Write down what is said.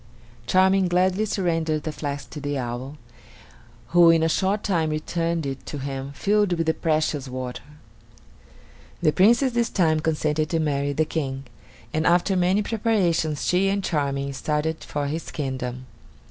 Charming gladly surrendered the flask to the owl, who in a short time returned it to him filled with the precious water. The Princess this time consented to marry the King, and after many preparations she and Charming started for his kingdom.